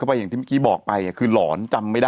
มีสารตั้งต้นเนี่ยคือยาเคเนี่ยใช่ไหมคะ